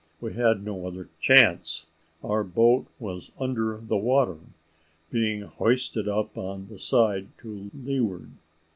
We had no other chance; our boat was under the water, being hoisted up on the side to leeward.